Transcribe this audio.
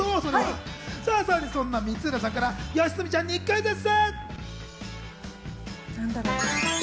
そんな光浦さんから吉住ちゃんにクイズッス！